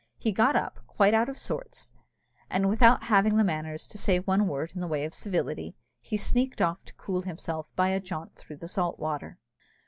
He got up, quite out of sorts, and without having the manners to say one word in the way of civility, he sneaked off to cool himself by a jaunt through the salt water.